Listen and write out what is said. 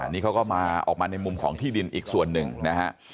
นี่เขาก็มาออกมาในมุมของที่ดินอีกส่วนหนึ่งนะฮะ